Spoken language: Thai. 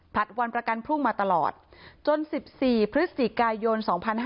วันประกันพรุ่งมาตลอดจน๑๔พฤศจิกายน๒๕๕๙